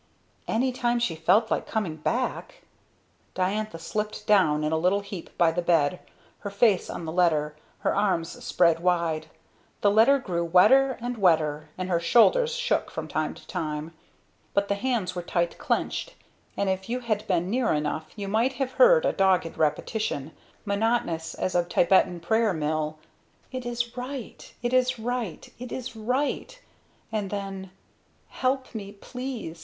"Any time she felt like coming back? Diantha slipped down in a little heap by the bed, her face on the letter her arms spread wide. The letter grew wetter and wetter, and her shoulders shook from time to time. But the hands were tight clenched, and if you had been near enough you might have heard a dogged repetition, monotonous as a Tibetan prayer mill: "It is right. It is right. It is right." And then. "Help me please!